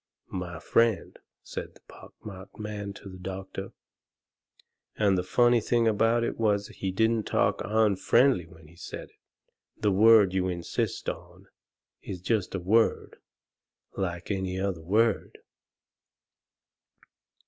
"My friend," said the pock marked man to the doctor and the funny thing about it was he didn't talk unfriendly when he said it "the word you insist on is just a WORD, like any other word."